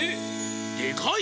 でかい！